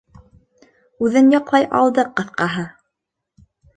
Үҙен яҡлай алды, ҡыҫҡаһы.